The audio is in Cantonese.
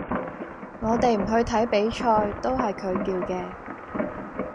我哋唔去睇比賽，都係佢叫嘅